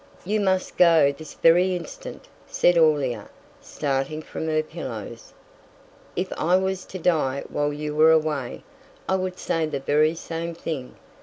"You must go this very instant," said Aurelia; starting from her pillows. "If I was to die while you were away, I would say the very same thing.